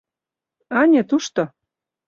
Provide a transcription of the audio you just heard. — Ане, тушто.